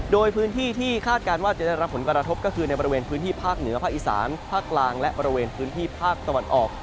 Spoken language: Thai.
โดยพื้นที่ที่คาดการณ์ว่าจะได้รับผลกระทบก็คือในบริเวณพื้นที่ภาคเหนือภาคอีสานภาคกลางและบริเวณพื้นที่ภาคตะวันออก